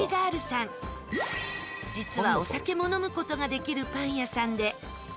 実はお酒も飲む事ができるパン屋さんで。